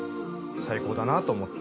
最高だなと思って。